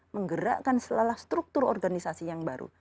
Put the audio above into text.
menggerakkan selalah struktur organisasi yang baru